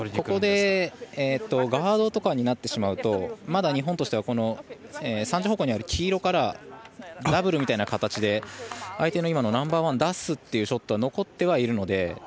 ここで、ガードとかになってしまうとまだ日本としては３時方向にある黄色からダブルみたいな形で相手の今のナンバーワンを出すっていうショット残ってはいるので。